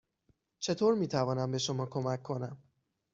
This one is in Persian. چطور می توانم به شما کمک کنم؟